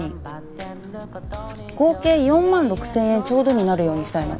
合計４万６０００円ちょうどになるようにしたいの。